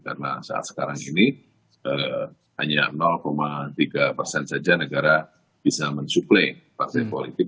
karena saat sekarang ini hanya tiga saja negara bisa mensuplai partai politik